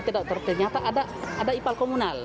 ternyata ada ipal komunal